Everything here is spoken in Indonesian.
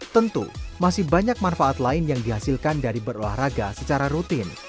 tentu masih banyak manfaat lain yang dihasilkan dari berolahraga secara rutin